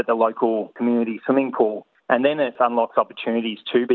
dengan kemampuan berenang anda sendiri